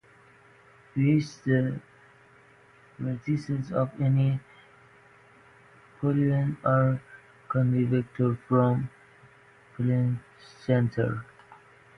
First the vertices of any polyhedron are considered vectors from the polyhedron center.